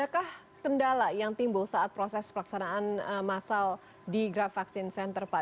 kah kendala yang timbul saat proses pelaksanaan masal di grab vaksin center pak